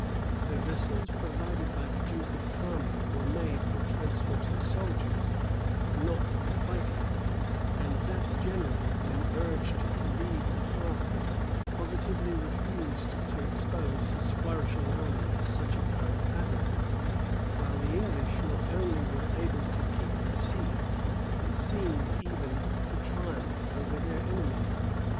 The vessels provided by the duke of Parma were made for transporting soldiers, not for fighting; and that general, when urged to leave the harbor, positively refused to expose his flourishing army to such apparent hazard; while the English not only were able to keep the sea, but seemed even to triumph over their enemy.